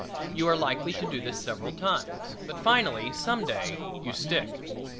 You are likely to do this several times; but finally some day you stick.